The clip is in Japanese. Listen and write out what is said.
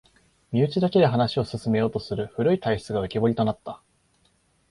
身内だけで話を進めようとする古い体質が浮きぼりとなった